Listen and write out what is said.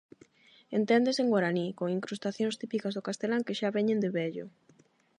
Enténdense en guaraní, con incrustacións típicas do castelán que xa veñen de vello.